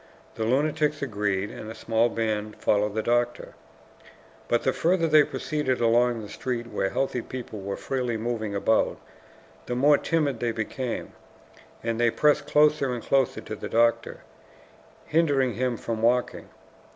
The lunatics agreed, and a small band followed the doctor. But the further they proceeded along the street where healthy people were freely moving about, the more timid they became, and they pressed closer and closer to the doctor, hindering him from walking.